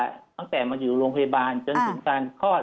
ตั้งแต่มาอยู่โรงพยาบาลจนถึงการคลอด